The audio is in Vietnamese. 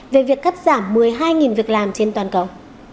về việc cắt giảm một mươi hai việc làm trên toàn cầu